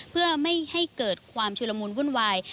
เพื่อไม่ให้เกิดความชุลมุนวุ่นวาย